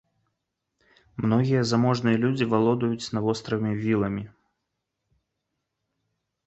Многія заможныя людзі валодаюць на востраве віламі.